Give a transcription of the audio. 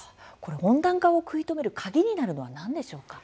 温暖化を食い止める鍵になるのは何でしょうか？